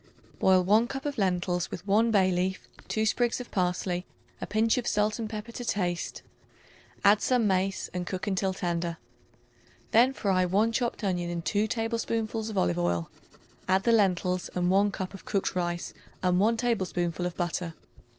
Boil 1 cup of lentils with 1 bay leaf, 2 sprigs of parsley, a pinch of salt and pepper to taste; add some mace and cook until tender. Then fry 1 chopped onion in 2 tablespoonfuls of olive oil; add the lentils and 1 cup of cooked rice and 1 tablespoonful of butter.